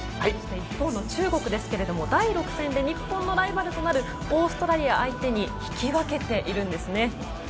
一方の中国ですが第６戦で日本のライバルとなるオーストラリア相手に引き分けているんですね。